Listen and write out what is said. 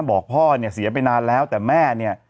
บอกพ่อเนี่ยเสียไปนานแล้วแต่แม่เนี่ย